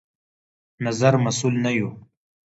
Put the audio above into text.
نظر مسوول نه يو